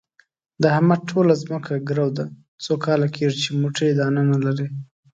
د احمد ټوله ځمکه ګرو ده، څو کاله کېږي چې موټی دانه نه لري.